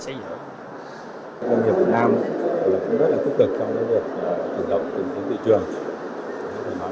các doanh nghiệp việt nam cũng rất là tích cực trong việc tự động tìm kiếm thị trường